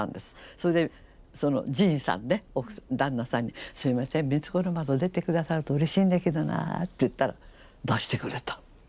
それで神さんね旦那さんに「すいません『光子の窓』出て下さるとうれしいんだけどな」と言ったら出してくれた。